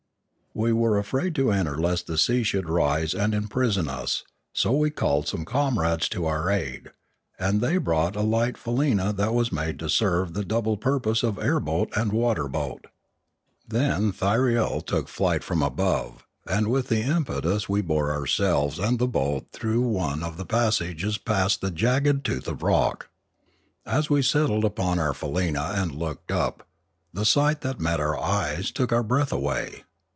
We were afraid to enter lest the sea should rise and imprison us, so we called some comrades to our aid, and they brought a light faleena that was made to serve the double purpose of air boat and water boat. Then A Warning 647 Thyriel took flight from above, and with the impetus we bore ourselves and the boat through one of the pas sages past the jagged tooth of rock. As we settled upon our faleena and looked up, the sight that met our eyes took our breath away.